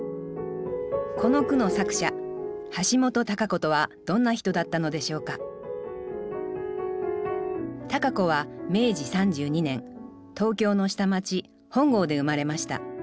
この句の作者橋本多佳子とはどんな人だったのでしょうか多佳子は明治３２年東京の下町本郷で生まれました。